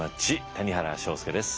谷原章介です。